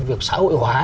việc xã hội hóa